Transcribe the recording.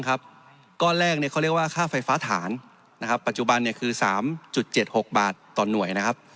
ก้อนแรกเขาเรียกว่าค่าไฟฟ้าฐานปัจจุบันคือ๓๗๖บาทต่อหน่วยนะครับ